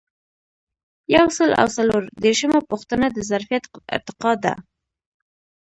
یو سل او څلور دیرشمه پوښتنه د ظرفیت ارتقا ده.